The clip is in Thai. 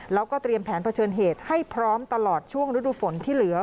แล้วก็เตรียมแผนเผชิญเหตุให้พร้อมตลอดช่วงฤดูฝนที่เหลือ